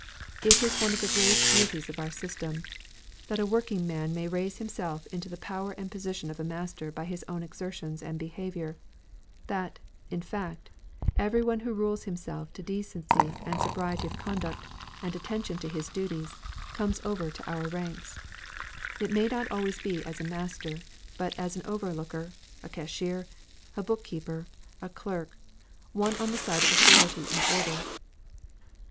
It is one of the great beauties of our system, that a working man may raise himself into the power and position of a master by his own exertions and behaviour; that, in fact, every one who rules himself to decency and sobriety of conduct, and attention to his duties, comes over to our ranks; it may not be always as a master, but as an overlooker, a cashier, a book keeper, a clerk, one on the side of authority and order."